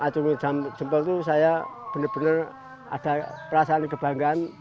cuma jempol itu saya benar benar ada perasaan kebanggaan